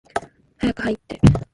早く入って。